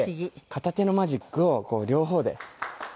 片手のマジックを両方で。